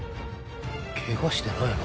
ケガしてないの？